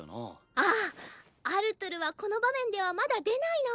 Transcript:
あっアルトゥルはこの場面ではまだ出ないの。